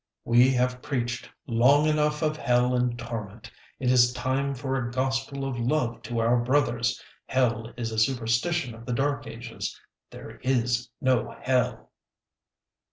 "We have preached long enough of hell and torment. It is time for a gospel of love to our brothers. Hell is a superstition of the Dark Ages. _There is no hell!